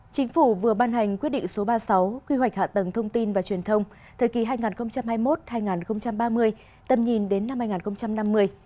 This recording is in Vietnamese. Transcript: chính phủ vừa ban hành quyết định số ba mươi sáu quy hoạch hạ tầng thông tin và truyền thông thời kỳ hai nghìn hai mươi một hai nghìn ba mươi tầm nhìn đến năm hai nghìn năm mươi